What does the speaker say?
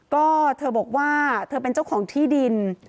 ก็เธอบอกว่าเธอเป็นเจ้าของที่ดิน